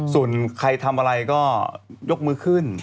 ส่วนใครทำอะไรก็ยกมือขึ้น